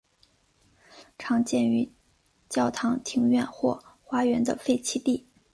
常见于教堂庭院或花园的废弃地。